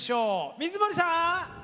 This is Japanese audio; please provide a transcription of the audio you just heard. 水森さん！